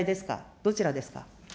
どちらですか。